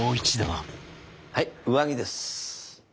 はい上着です。